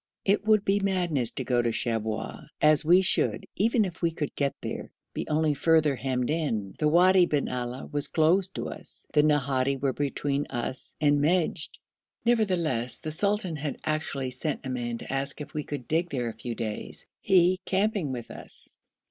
It would be madness to go to Shabwa, as we should, even if we could get there, be only further hemmed in; the Wadi bin Ali was closed to us, the Nahadi were between us and Meshed; nevertheless, the sultan had actually sent a man to ask if we could dig there a few days, he camping with us.